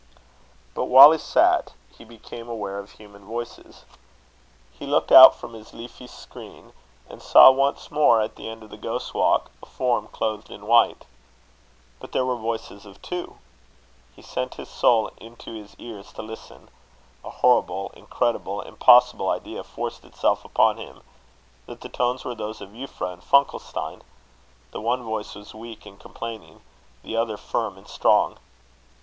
But while he sat, he became aware of human voices. He looked out from his leafy screen, and saw once more, at the end of the Ghost's Walk, a form clothed in white. But there were voices of two. He sent his soul into his ears to listen. A horrible, incredible, impossible idea forced itself upon him that the tones were those of Euphra and Funkelstein. The one voice was weak and complaining; the other firm and strong.